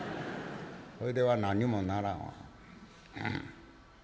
「それでは何にもならんわ」。